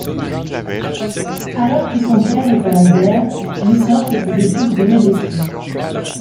Alors que son père est à la guerre, Lucien fait ses études de médecine.